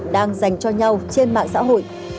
đang dành cho nhau trên mạng xã hội